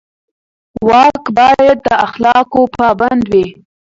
واک باید د اخلاقو پابند وي.